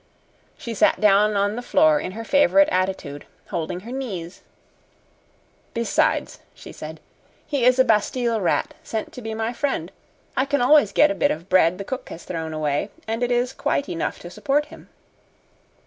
She sat down on the floor in her favorite attitude, holding her knees. "Besides," she said, "he is a Bastille rat sent to be my friend. I can always get a bit of bread the cook has thrown away, and it is quite enough to support him."